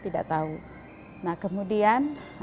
tidak tahu nah kemudian